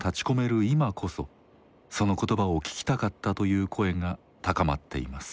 今こそその言葉を聞きたかったという声が高まっています。